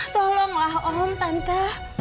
tolonglah om tante